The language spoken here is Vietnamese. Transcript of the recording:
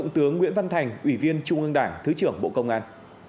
tướng nguyễn văn thành ủy viên trung ương đảng thứ trưởng bộ công an